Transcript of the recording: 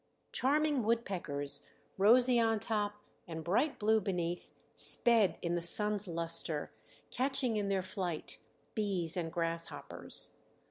Charming woodpeckers, rosy on top and bright blue beneath, sped in the sun's luster, catching in their flight bees and grasshoppers.